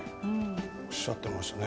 おっしゃってましたね。